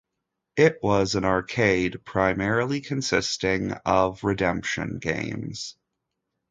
It was an arcade primarily consisting of redemption games.